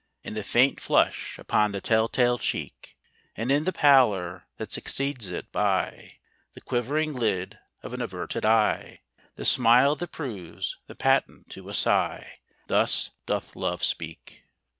In the faint flush upon the tell tale cheek, And in the pallor that succeeds it; by The quivering lid of an averted eye The smile that proves the patent to a sigh Thus doth Love speak.